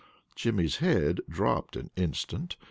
Jimmy's head dropped an instant.